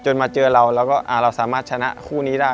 มาเจอเราแล้วก็เราสามารถชนะคู่นี้ได้